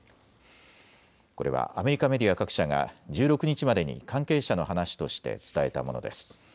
これはアメリカメディア各社が１６日までに関係者の話として伝えたものです。